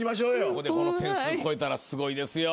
ここでこの点数超えたらすごいですよ。